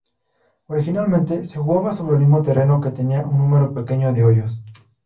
Originalmente, se jugaba sobre el mismo terreno que tenía un número pequeño de hoyos.